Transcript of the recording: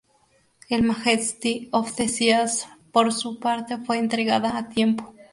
El Majesty of the Seas por su parte fue entregada a tiempo.